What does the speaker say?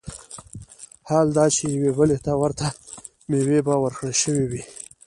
حال دا چي يوې بلي ته ورته مېوې به وركړى شوې وي